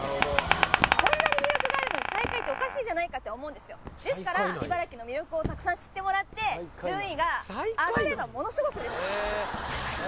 こんなに魅力があるのに最下位っておかしいじゃないかって思うんですよですから茨城の魅力をたくさん知ってもらって順位が上がればものすごく嬉しいです